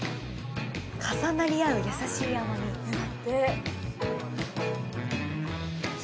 重なり合う優しい甘みだって。